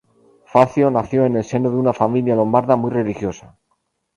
Facio, nació en el seno de una familia lombarda muy religiosa.